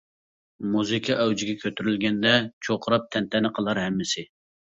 مۇزىكا ئەۋجىگە كۆتۈرۈلگەندە، چۇرقىراپ تەنتەنە قىلار ھەممىسى.